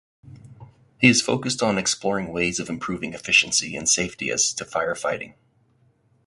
He is focused on exploring ways of improving efficiency and safety as to firefighting.